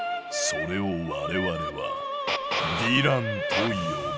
それを我々は「ヴィラン」と呼ぶ。